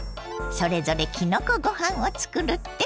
それぞれきのこご飯を作るって！